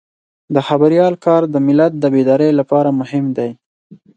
د خبریال کار د ملت د بیدارۍ لپاره مهم دی.